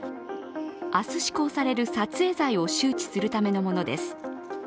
明日施行される撮影罪を周知するためのものです。